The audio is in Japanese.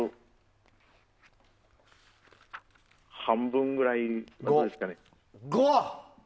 半分ぐらいですかね。